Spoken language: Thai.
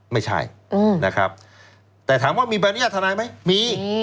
ไม่ใช่อืมนะครับแต่ถามว่ามีบรรยาทนายไหมมีมี